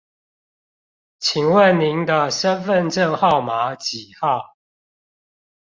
請問您的身分證號碼幾號